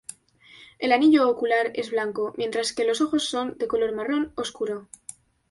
El anillo ocular es blanco, mientras que los ojos son de color marrón oscuro.